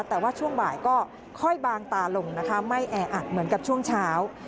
แต่ว่าช่วงบ่ายก็ค่อยบางตาลงนะคะไม่แออัดเหมือนกับช่วงเช้า